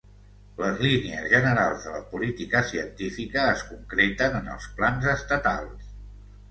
Les línies generals de la política científica es concreten en els plans estatals.